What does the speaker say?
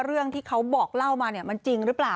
เรื่องที่เขาบอกเล่ามาเนี่ยมันจริงหรือเปล่า